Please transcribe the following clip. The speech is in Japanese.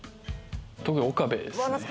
特に岡部ですね